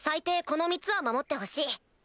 この３つは守ってほしい。